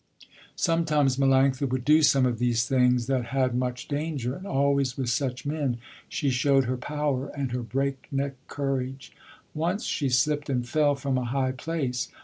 Sometimes Melanctha would do some of these things that had much danger, and always with such men, she showed her power and her break neck courage. Once she slipped and fell from a high place.